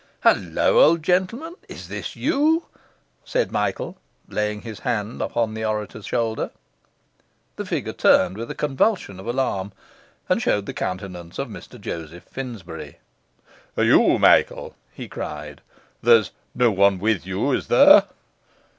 'Hullo, old gentleman! Is this you?' said Michael, laying his hand upon the orator's shoulder. The figure turned with a convulsion of alarm, and showed the countenance of Mr Joseph Finsbury. 'You, Michael!' he cried. 'There's no one with you, is there?